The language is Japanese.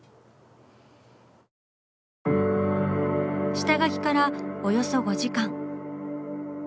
下描きからおよそ５時間。